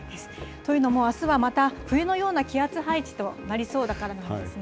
というのも、あすは、また冬の気圧配置となりそうだからなんですね。